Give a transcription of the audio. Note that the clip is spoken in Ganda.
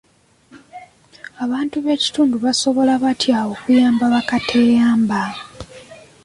Abantu b'ekitundu basobola batya okuyamba bakateeyamba?